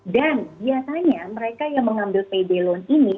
dan biasanya mereka yang mengambil payday loan ini